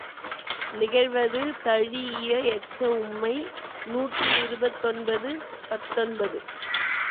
நிகழ்வது தழீஇய எச்ச உம்மை நூற்றி இருபத்தொன்பது பத்தொன்பது .